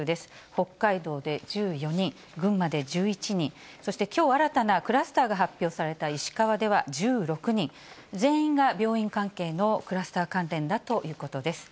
北海道で１４人、群馬で１１人、そしてきょう新たなクラスターが発表された石川では１６人、全員が病院関係のクラスター関連だということです。